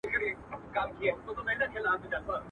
هغه د شنه ځنګله په څنډه کي سرتوره ونه.